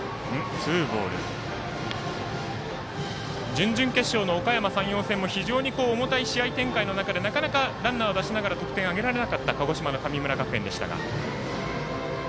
準々決勝のおかやま山陽戦も非常に重たい試合展開の中でなかなかランナーを出しながら得点挙げられなかった鹿児島の神村学園でしたが。